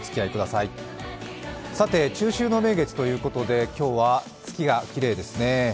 さて、中秋の名月ということで、今日は月がきれいですね。